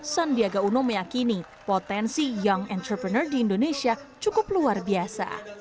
sandiaga uno meyakini potensi young entrepreneur di indonesia cukup luar biasa